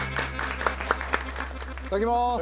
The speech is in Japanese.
いただきまーす！